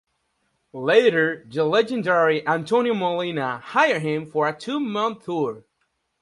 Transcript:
Later, the legendary Antonio Molina hired him for a two-month tour.